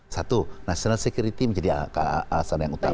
satu national security menjadi alasan yang utama